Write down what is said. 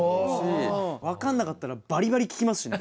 分かんなかったらバリバリ聞きますしね。